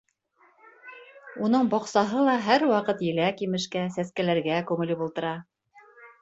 Уның баҡсаһы ла һәр ваҡыт еләк-емешкә, сәскәләргә күмелеп ултыра.